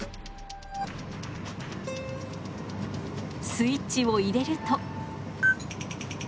スイッチを入れると。